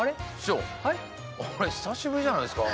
あれ久しぶりじゃないですか。